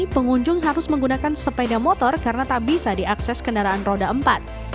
pengunjung harus menggunakan sepeda motor karena tak bisa diakses kendaraan roda empat